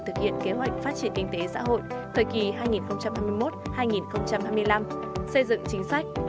thực hiện kế hoạch phát triển kinh tế xã hội thời kỳ hai nghìn hai mươi một hai nghìn hai mươi năm xây dựng chính sách